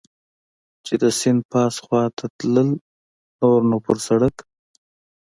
چې د سیند پاس خوا ته تلل، نور نو پر سړک.